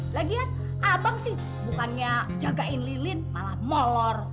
lagian abang sih bukannya jagain lilin malah molor